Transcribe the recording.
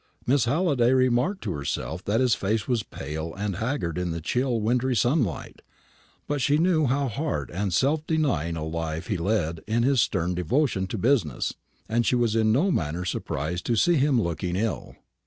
Miss Halliday remarked to herself that his face was pale and haggard in the chill wintry sunlight; but she knew how hard and self denying a life he led in his stern devotion to business, and she was in no manner surprised to see him looking ill.